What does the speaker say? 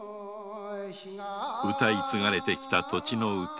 歌い継がれて来た土地の歌。